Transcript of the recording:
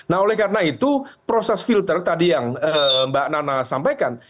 nah oleh karena itu proses filter tadi yang mbak nana sampaikan